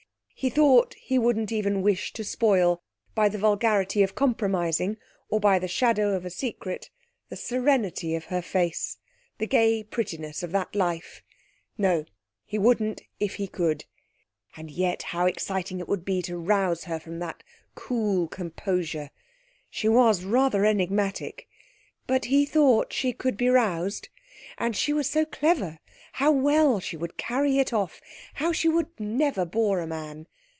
He thought he wouldn't even wish to spoil, by the vulgarity of compromising, or by the shadow of a secret, the serenity of her face, the gay prettiness of that life. No, he wouldn't if he could. And yet how exciting it would be to rouse her from that cool composure. She was rather enigmatic. But he thought she could be roused. And she was so clever. How well she would carry it off! How she would never bore a man!